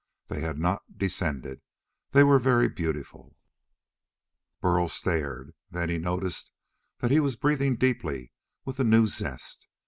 They had not descended. They were very beautiful. Burl stared. And then he noticed that he was breathing deeply, with a new zest.